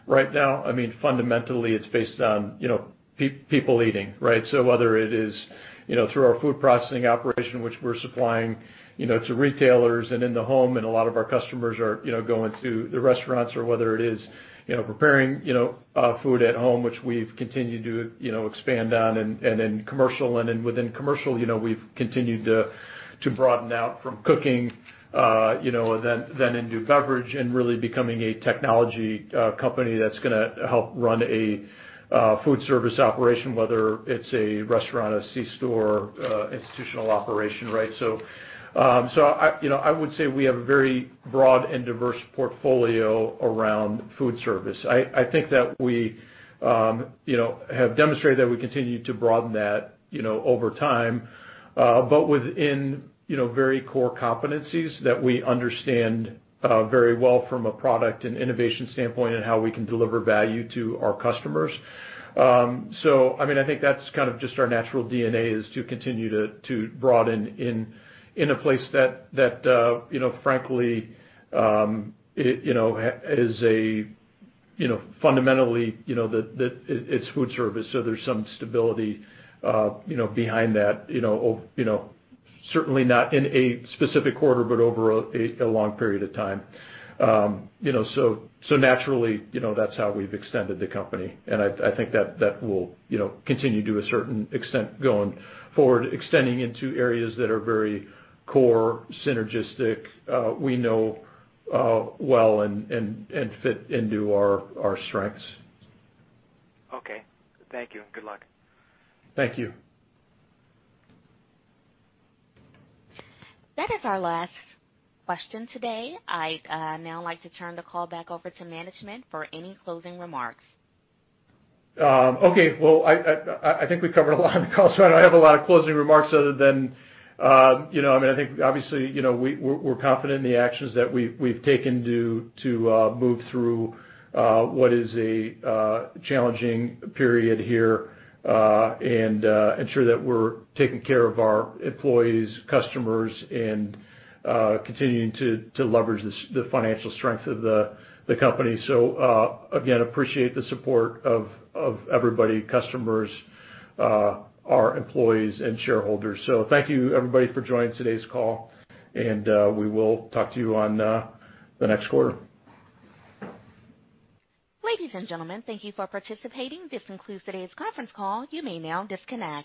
right now, fundamentally it's based on people eating. Whether it is through our food processing operation, which we're supplying to retailers and in the home, and a lot of our customers are going to the restaurants, or whether it is preparing food at home, which we've continued to expand on in commercial. Within commercial, we've continued to broaden out from cooking, then into beverage and really becoming a technology company that's going to help run a food service operation, whether it's a restaurant, a C-store, or an institutional operation. I would say we have a very broad and diverse portfolio around food service. I think that we have demonstrated that we continue to broaden that over time. Within very core competencies that we understand very well from a product and innovation standpoint and how we can deliver value to our customers. I think that's kind of just our natural DNA: to continue to broaden in a place that, frankly, Fundamentally, it's foodservice, so there's some stability behind that. Certainly not in a specific quarter, but over a long period of time. Naturally, that's how we've extended the company, and I think that will continue to a certain extent going forward, extending into areas that are very core synergistic, we know well, and fit into our strengths. Okay. Thank you. Good luck. Thank you. That is our last question today. I'd now like to turn the call back over to management for any closing remarks. Okay. Well, I think we've covered a lot on the call, so I don't have a lot of closing remarks other than, I think obviously, we're confident in the actions that we've taken to move through what is a challenging period here and ensure that we're taking care of our employees and customers and continuing to leverage the financial strength of the company. Again, appreciate the support of everybody: customers, our employees, and shareholders. Thank you, everybody, for joining today's call, and we will talk to you next quarter. Ladies and gentlemen, thank you for participating. This concludes today's conference call. You may now disconnect.